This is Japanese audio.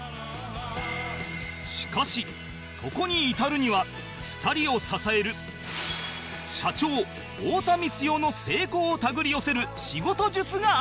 しかしそこに至るには２人を支える社長太田光代の成功を手繰り寄せる仕事術があった